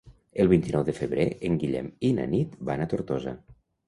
El vint-i-nou de febrer en Guillem i na Nit van a Tortosa.